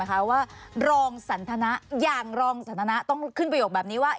ว่ารองสันทนะอย่างรองสันทนะต้องขึ้นประโยคแบบนี้ว่า